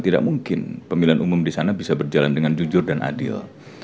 tidak mungkin pemilihan umum di sana bisa berjalan dengan jujur dan adil